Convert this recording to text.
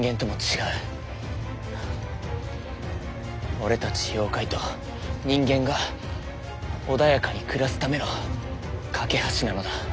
俺たち妖怪と人間が穏やかに暮らすための懸け橋なのだ。